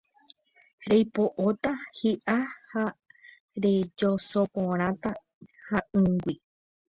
reipo'óta hi'a ha rejosoporãta ha'ỹingue